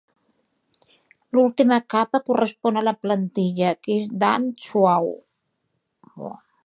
L'última capa correspon a la plantilla, que és d'ant suau.